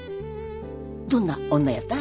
どんな女やった？